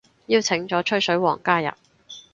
邀請咗吹水王加入